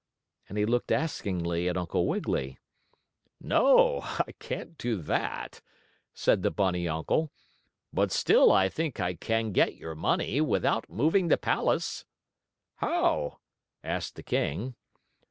And he looked askingly at Uncle Wiggily. "No, I can't do that," said the bunny uncle. "But still I think I can get your money without moving the palace." "How?" asked the king.